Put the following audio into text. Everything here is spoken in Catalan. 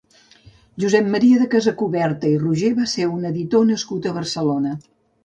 Josep Maria de Casacuberta i Roger va ser un editor nascut a Barcelona.